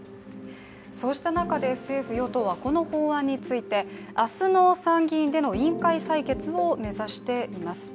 そうした中で政府・与党は、この法案について明日の参議院での委員会採決を目指しています。